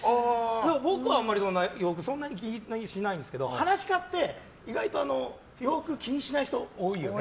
あまり洋服そんなに気にしないんですけど噺家って、意外と洋服気にしない人、多いよね。